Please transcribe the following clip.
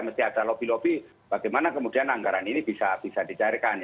mesti ada lobby lobby bagaimana kemudian anggaran ini bisa dicairkan